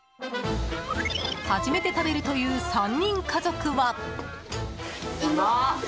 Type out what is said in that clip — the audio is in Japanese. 初めて食べるという３人家族は。